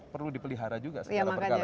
perlu dipelihara juga secara perkara